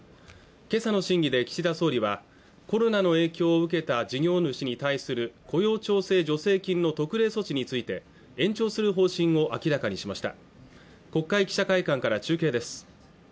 今朝の審議で岸田総理はコロナの影響を受けた事業主に対する雇用調整助成金の特例措置について延長する方針を明らかにしました国会記者会館から中継です